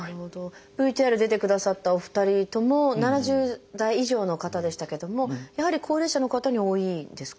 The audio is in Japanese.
ＶＴＲ出てくださったお二人とも７０代以上の方でしたけどもやはり高齢者の方に多いですか？